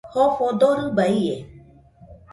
Jofo dorɨba ie